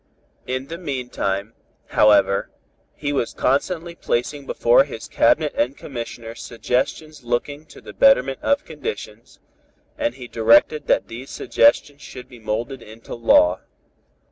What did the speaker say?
In the meantime, however, he was constantly placing before his Cabinet and Commissioners suggestions looking to the betterment of conditions, and he directed that these suggestions should be molded into law.